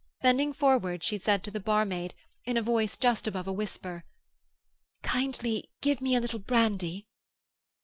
Bending forward, she said to the barmaid in a voice just above a whisper,— "Kindly give me a little brandy."